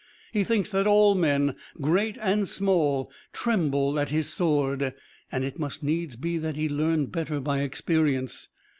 He thinks that all men, great and small, tremble at his sword, and it must needs be that he learn better by experience.